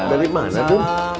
dari mana tuh